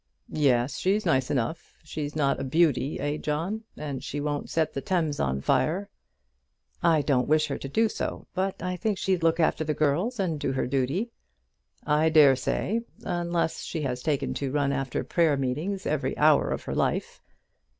"Yes, she's nice enough. She's not a beauty; eh, John? and she won't set the Thames on fire." "I don't wish her to do so; but I think she'd look after the girls, and do her duty." "I dare say; unless she has taken to run after prayer meetings every hour of her life."